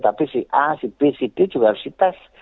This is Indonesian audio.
tapi si a si b si d juga harus dites